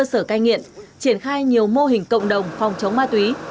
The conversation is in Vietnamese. cơ sở cai nghiện triển khai nhiều mô hình cộng đồng phòng chống ma túy